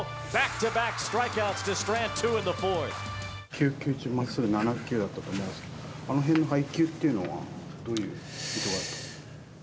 ９球中、まっすぐが７球だったと思うんですけど、あのへんの配球というのはどういう意図が？